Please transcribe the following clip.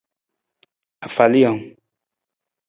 Afalijang.